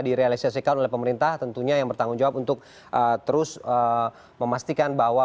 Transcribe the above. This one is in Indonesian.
direalisasikan oleh pemerintah tentunya yang bertanggung jawab untuk terus memastikan bahwa